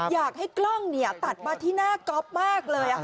อยากให้กล้องเนี่ยตัดมาที่หน้าก๊อบมากเลยค่ะ